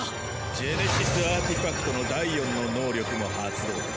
ジェネシスアーティファクトの第４の能力も発動。